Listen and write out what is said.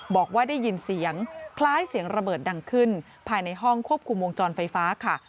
บอกว่าได้ยินเสียงคล้ายเสียงระเบิดดังขึ้นภายในห้องควบคุมวงจรไฟฟ้าค่ะ